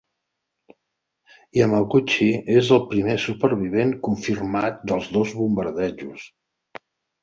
Yamaguchi és el primer supervivent confirmat dels dos bombardejos.